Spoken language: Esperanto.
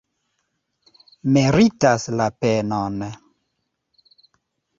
Meritas la penon!